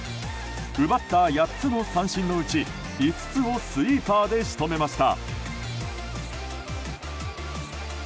奪った８つの三振のうち５つをスイーパーで仕留めました。